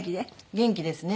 元気ですね。